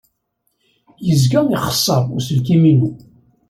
Yezga ixeṣṣer uselkim-inu.